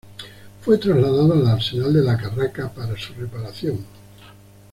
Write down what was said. Fue trasladado al Arsenal de la Carraca para su reparación.